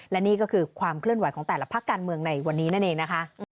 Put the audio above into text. และนี่ก็คือความเคลื่อนไหวของแต่ละพักการเมืองในวันนี้นั่นเองนะคะ